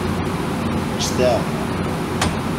Ǧǧet-aɣ!